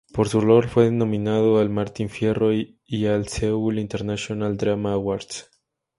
Por su rol fue nominado al Martin Fierro y al "Seoul International Drama Awards".